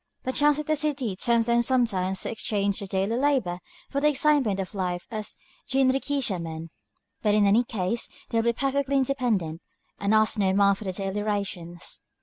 The charms of the city tempt them sometimes to exchange their daily labor for the excitement of life as jinrikisha men; but in any case they will be perfectly independent, and ask no man for their daily rations.